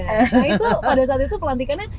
nah itu pada saat itu pelantikannya